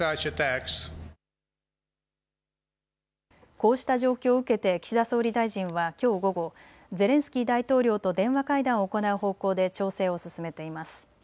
こうした状況を受けて岸田総理大臣はきょう午後、ゼレンスキー大統領と電話会談を行う方向で調整を進めています。